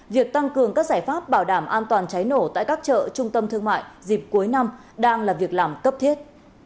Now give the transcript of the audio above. việc tăng cường các giải pháp bảo đảm an toàn cháy nổ tại các chợ trung tâm thương mại dịp cuối năm đang là việc làm cấp thiết